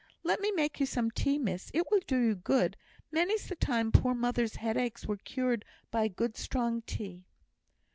"Let me make you some tea, miss, it will do you good. Many's the time poor mother's headaches were cured by good strong tea."